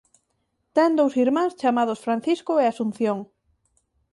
Ten dous irmáns chamados Francisco e Asunción.